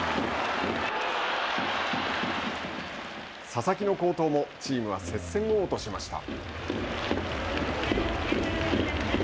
佐々木の好投もチームは接戦を落としました。